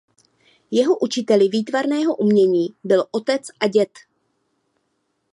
Jeho učiteli výtvarného umění byl otec a děd.